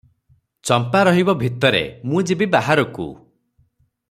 ଚମ୍ପା ରହିବ ଭିତରେ, ମୁଁ ଯିବି ବାହାରକୁ!